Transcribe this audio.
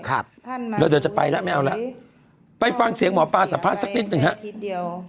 ครับเราเดี๋ยวจะไปนะไม่เอาแล้วไปฟังเสียงหมอปลาสะพานสักนิดหนึ่งครับ